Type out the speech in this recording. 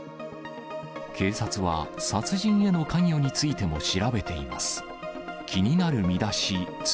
警察は、殺人への関与についても調べています。